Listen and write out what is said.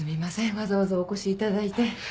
わざわざお越しいただいて。